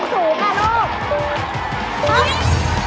ต้องเล่าสูงค่ะลูก